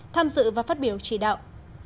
tham dự và phát biểu chỉ đạo